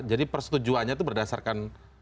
jadi persetujuannya itu berdasarkan